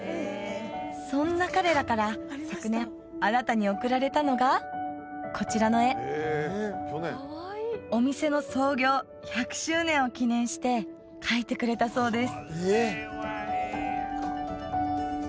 そんな彼らから昨年新たに贈られたのがこちらの絵お店の創業１００周年を記念して描いてくれたそうです